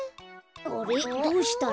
あれっどうしたの？